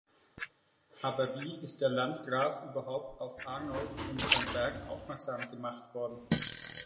Aber wie ist der Landgraf überhaupt auf Arnold und sein Werk aufmerksam gemacht worden?